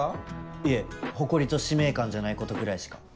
いえ誇りと使命感じゃないことぐらいしか。